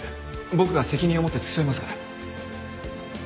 僕が責任を持って付き添いますから。